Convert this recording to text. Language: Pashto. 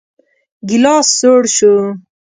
ګيلاس سوړ شو.